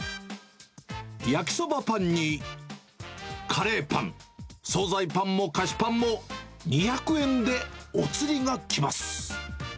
焼きそばパンに、カレーパン、総菜パンも菓子パンも、２００円でお釣りが来ます。